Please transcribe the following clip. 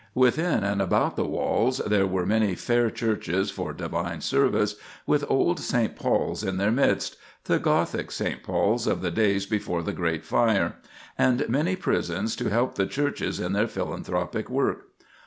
Within and about the walls there were many "fair churches for divine service," with old St. Paul's in their midst—the Gothic St. Paul's of the days before the great fire; and many prisons to help the churches in their philanthropic work.